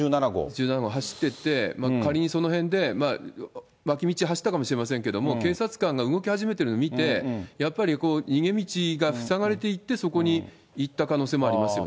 １７号走ってて、仮にその辺で、脇道走ってたかもしれないですけども、警察官が動き始めてるのを見て、やっぱり逃げ道が塞がれていって、そこに行った可能性もありますよ